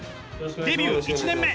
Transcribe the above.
デビュー１年目！